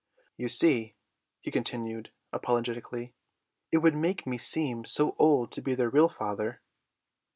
"You see," he continued apologetically, "it would make me seem so old to be their real father."